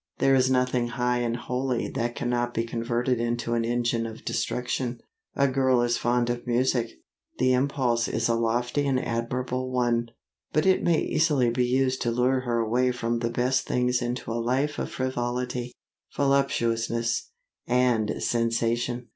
There is nothing high and holy that cannot be converted into an engine of destruction. A girl is fond of music. The impulse is a lofty and admirable one. But it may easily be used to lure her away from the best things into a life of frivolity, voluptuousness, and sensation.